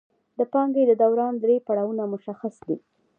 د پانګې د دوران درې پړاوونه مشخص دي